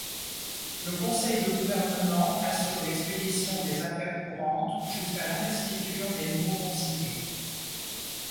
Le conseil de gouvernement assure l'expédition des affaires courantes jusqu'à l'investiture des nouveaux conseillers.